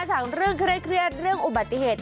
ถามเรื่องเครียดเรื่องอุบัติเหตุ